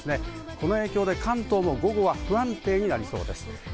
この影響で関東も午後は不安定になりそうです。